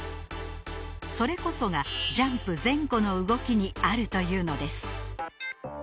それこそがジャンプ前後の動きにあるというのです